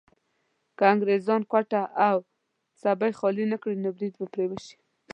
که انګريزان کوټه او سبۍ خالي نه کړي نو بريد به پرې وشي.